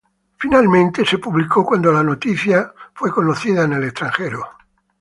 Finalmente fue publicada cuando la noticia fue conocida en el extranjero.